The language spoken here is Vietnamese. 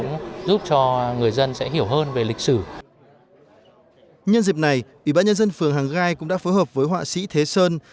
nhân dịp này ủy ban nhân dân phường hàng gai cũng đã phối hợp với họa sĩ thế sơn